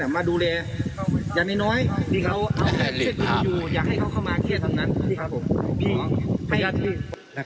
อะมาดูแลอย่างน้อยน้อยที่เขาอยากให้เขาเข้ามาเครียดทำงาน